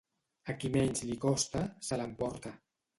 A qui menys li costa, se l'emporta.